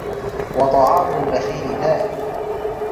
وَطَعَامُ الْبَخِيلِ دَاءٌ